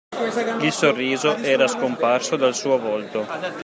Il sorriso era scomparso dal suo volto.